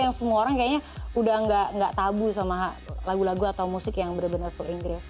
yang semua orang kayaknya udah gak tabu sama lagu lagu atau musik yang benar benar full inggris